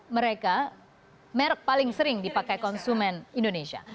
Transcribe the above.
mereka merek paling sering dipakai konsumen indonesia